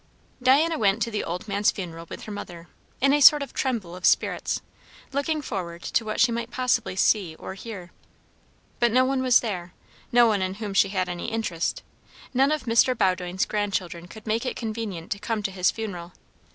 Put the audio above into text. Diana went to the old man's funeral with her mother; in a sort of tremble of spirits, looking forward to what she might possibly see or hear. But no one was there; no one in whom she had any interest; none of Mr. Bowdoin's grandchildren could make it convenient to come to his funeral.